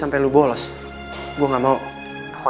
masih olom rupiah rideval